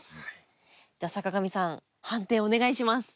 では坂上さん判定をお願いします。